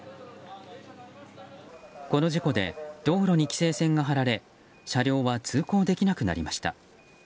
この事故で道路に規制線が張られ車両は通行できなくなりました。